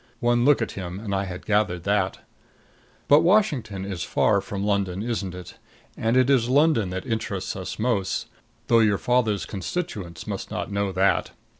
One look at him and I had gathered that. But Washington is far from London, isn't it? And it is London that interests us most though father's constituents must not know that.